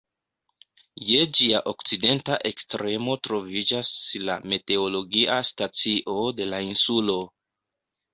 Je ĝia okcidenta ekstremo troviĝas la meteologia stacio de la insulo.